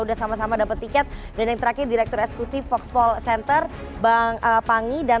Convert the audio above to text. udah sama sama dapat tiket dan yang terakhir direktur eksekutif foxpol center bang pangi dan